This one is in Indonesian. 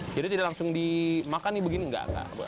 jadi tidak langsung dimakan nih begini enggak apa apa